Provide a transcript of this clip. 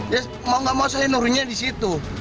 ya mau gak mau saya nurinya di situ